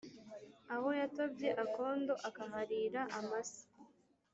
aho yatobye akondo akaharira amase